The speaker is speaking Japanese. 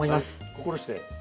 心して。